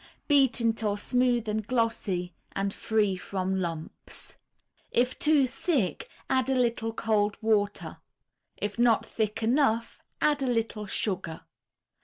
Beat until smooth and glossy and free from lumps. If too thick, add a little cold water. If not thick enough, add a little sugar.